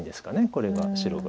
これが白が。